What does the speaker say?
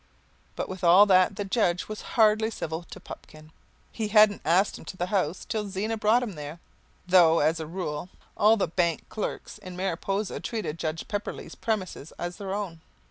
But with all that the judge was hardly civil to Pupkin. He hadn't asked him to the house till Zena brought him there, though, as a rule, all the bank clerks in Mariposa treated Judge Pepperleigh's premises as their own.